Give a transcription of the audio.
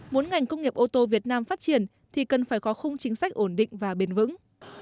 muốn ngành công nghiệp ô tô việt nam phát triển thì cần phải có khung chính sách ổn định và bền vững